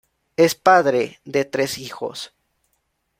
Es padre de tres hijos.